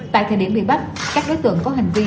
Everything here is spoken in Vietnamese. tại thời điểm bị bắt các đối tượng có hành vi